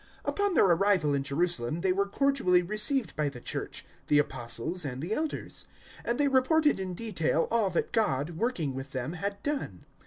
015:004 Upon their arrival in Jerusalem they were cordially received by the Church, the Apostles, and the Elders; and they reported in detail all that God, working with them, had done.